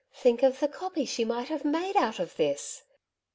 'Think of the "copy" she might have made out of this!'